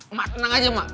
emak tenang aja emak